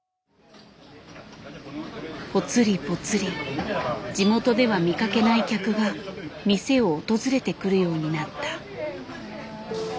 ぽつりぽつり地元では見かけない客が店を訪れてくるようになった。